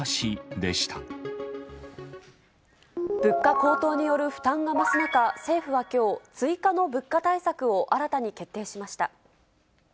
物価高騰による負担が増す中、政府はきょう、追加の物価対策を新たに決定しました。